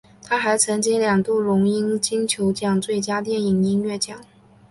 他还曾经两度荣膺金球奖最佳电影音乐奖。